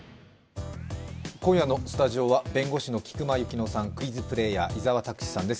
今夜のスタジオは弁護士の菊間千乃さん、クイズプレーヤー、伊沢拓司さんです。